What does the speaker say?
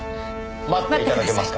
待って頂けますか。